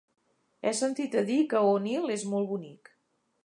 He sentit a dir que Onil és molt bonic.